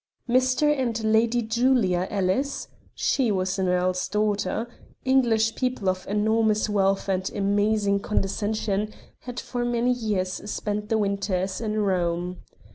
Mr. and Lady Julia Ellis she was an earl's daughter English people of enormous wealth and amazing condescension, had for many years spent the winters in Rome.